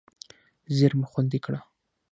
زېرمې خوندي کړه.